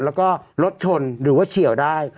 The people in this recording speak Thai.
แล้วก็รถชนหรือว่าเฉียวได้